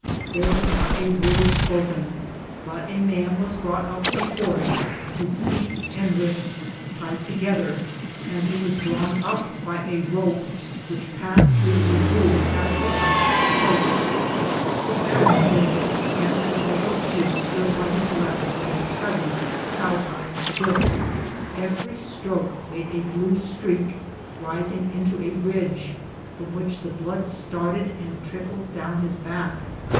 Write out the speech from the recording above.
There was not a word spoken ; but a man was brought up before it, his feet and wrists tied together, and he was drawn up by a rope which passed through a groove at the top of the post. His back was naked, and an alguazil stood on his left with a heavy cowhide whip. Every stroke made a blue streak, rising into a ridge, from which the blood started and trickled down his back.